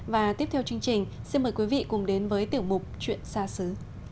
và tiếp theo chương trình xin mời quý vị cùng đến với tiểu mục chuyện xa xứ